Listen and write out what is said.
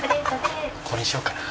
これにしようかな。